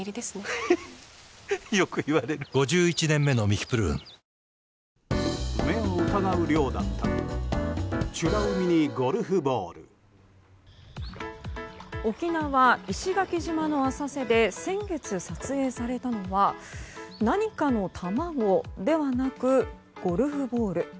サントリー「セサミン」沖縄・石垣島の浅瀬で先月、撮影されたのは何かの卵ではなくゴルフボール。